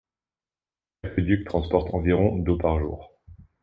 L'aqueduc transporte environ d'eau par jour.